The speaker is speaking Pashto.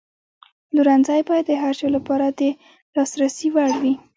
پلورنځی باید د هر چا لپاره د لاسرسي وړ وي.